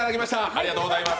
ありがとうございます。